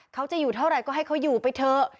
เขาจะอยู่เท่าไหร่ก็ให้เขาอยู่ไปเถอะ